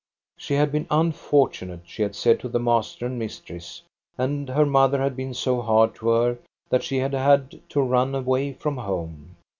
She had been unfortunate, she had said to the master and mistress, and her mother had been so hard to her that she had had to run away from home.